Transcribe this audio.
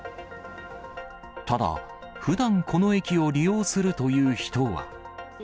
ただ、ふだん、この駅を利用するという人は。